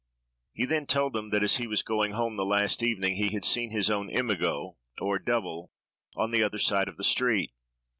He then told them that, as he was going home the last evening, he had seen his own imago, or double, on the other side of the street.